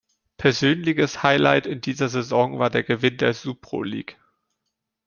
Persönliches Highlight in dieser Saison war der Gewinn der Suproleague.